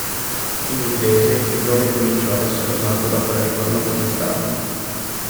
In inglese il nome cominciò ad essere usato dopo la Riforma Protestante.